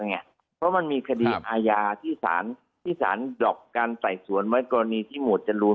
เพราะมันมีคดีอาญาที่สารที่สารดอกการไต่สวนไว้กรณีที่หมวดจรูน